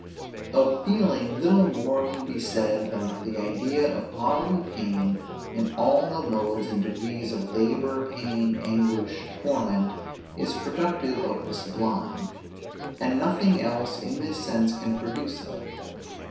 Of feeling little more can be said than that the idea of bodily pain, in all the modes and degrees of labor, pain, anguish, torment, is productive of the sublime; and nothing else in this sense can produce it.